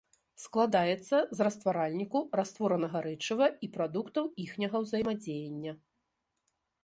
Складаецца з растваральніку, растворанага рэчыва і прадуктаў іхняга ўзаемадзеяння.